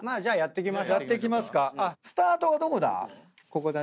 スタートはどこだ？